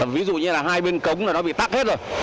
ví dụ như là hai bên cống là nó bị tắt hết rồi